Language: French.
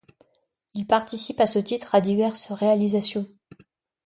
Il participe à ce titre à diverses réalisations.